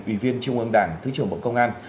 ủy viên trung ương đảng thứ trưởng bộ công an